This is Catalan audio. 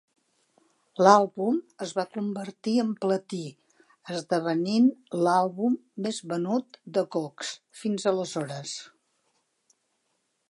L'àlbum es va convertir en platí, esdevenint l'àlbum més venut de Cox fins aleshores.